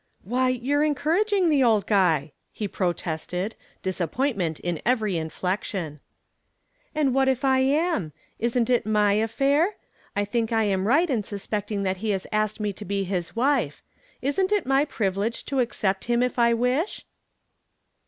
"Why, you're encouraging the old guy," he protested, disappointment in every inflection. "And what if I am? Isn't it my affair? I think I am right in suspecting that he has asked me to be his wife. Isn't it my privilege to accept him if I wish?"